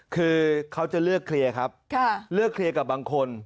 คือเขาจะเลือกเคลียร์ครับเลือกเคลียร์กับบางคน